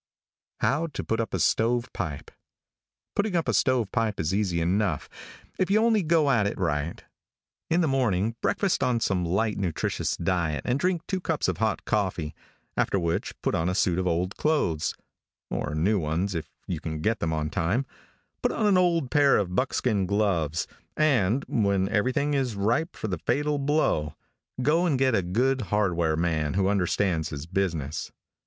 HOW TO PUT UP A STOVE PIPE. |PUTTING up stove pipe is easy enough, if you only go at it right. In the morning, breakfast on some light, nutritious diet, and drink two cups of hot coffee; after which put on a suit of old clothes or new ones, if you can get them on time put on an old pair of buckskin gloves, and, when everything is ripe for the fatal blow, go and get a good hardware man who understands his business.